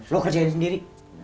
lo kerjain sendiri